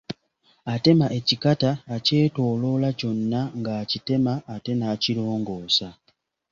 Atema ekikata akyetooloola kyonna ng’akitema ate n’akirongoosa.